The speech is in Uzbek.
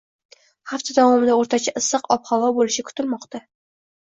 Hafta davomida o‘rtacha issiq ob-havo bo‘lishi kutilmoqda